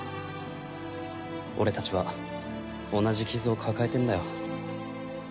俺たちは同じ傷を抱えてんだよ。